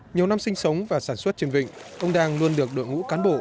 nhiều năm sinh sống và sản xuất trên vịnh ông đang luôn được đội ngũ cán bộ